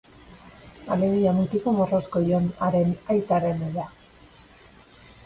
Alegia, mutiko morrosko, John, haren aitarenera.